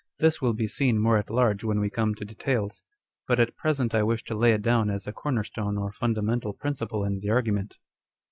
This will be seen more at large when we come to details ; but at present I wish to lay it down as a corner stone or fundamental principle in the argument.